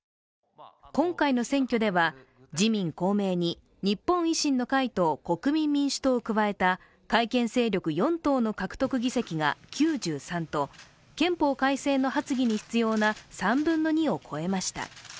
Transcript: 今回の選挙では、自民・公明に日本維新の会と国民民主党を加えた改憲勢力４党の獲得議席が９３と憲法改正の発議に必要な３分の２を超えました。